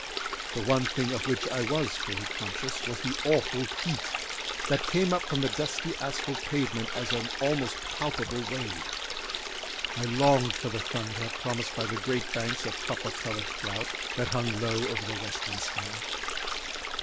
The one thing of which I was fully conscious was the awful heat, that came up from the dusty asphalt pavement as an almost palpable wave. I longed for the thunder promised by the great banks of copper coloured cloud that hung low over the western sky.